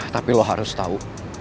tapi lo harus tau